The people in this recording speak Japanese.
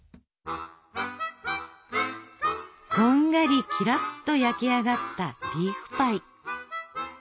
こんがりキラッと焼き上がったリーフパイ。